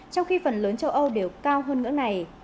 trong khi phần lớn châu âu đều cao hơn ngưỡng này